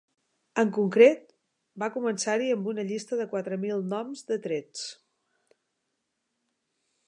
En concret, va començar-hi amb una llista de quatre mil noms de trets.